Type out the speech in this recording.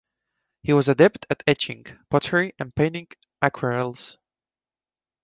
He was adept at etching, pottery and painting aquarelles.